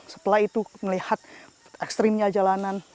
setelah itu melihat ekstrimnya jalanan